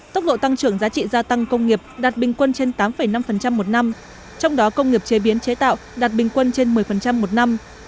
tốc độ tăng trưởng giá trị gia tăng công nghiệp đạt bình quân trên tám năm một năm trong đó công nghiệp chế biến chế tạo đạt bình quân trên một mươi một năm